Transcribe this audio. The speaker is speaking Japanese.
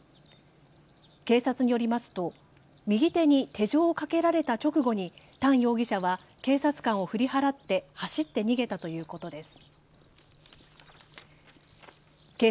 警察によりますと右手に手錠をかけられた直後にタン容疑者は警察官を振り払って走って逃げたということです。